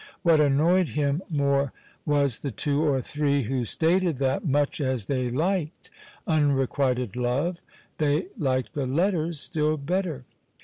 What annoyed him more was the two or three who stated that, much as they liked "Unrequited Love," they liked the "Letters" still better.